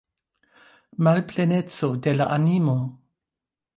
Malpleneco de la animo.